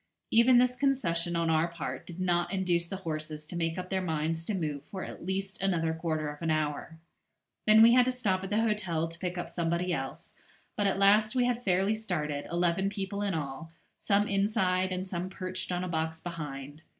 Even this concession on our part did not induce the horses to make up their minds to move for at least another quarter of an hour. Then we had to stop at the hotel to pick up somebody else; but at last we had fairly started, eleven people in all, some inside and some perched on a box behind.